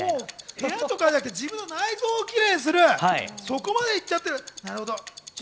部屋じゃなくて自分の内臓をキレイにする、そこまでいっちゃってる。